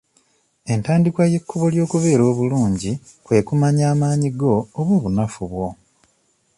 Entandikwa y'ekkubo ly'okubeera obulungi kwe kumanya amaanyi go oba obunafu bwo.